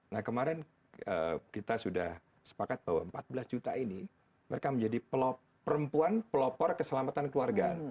nah kemarin kita sudah sepakat bahwa empat belas juta ini mereka menjadi perempuan pelopor keselamatan keluarga